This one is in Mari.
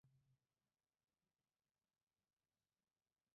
Тунамет ял гыч йолым шуйдарен куржын пытеныт гын, кызыт кид кучен толын пурышт.